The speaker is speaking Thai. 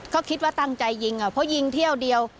ก็คิดว่าตั้งใจยิงเพราะยิงเที่ยวเดียว